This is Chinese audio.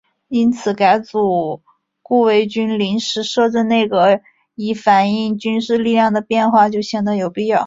因此改组顾维钧临时摄政内阁以反映军事力量的变化就显得有必要。